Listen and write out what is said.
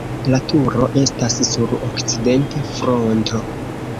La turo estas sur okcidenta fronto.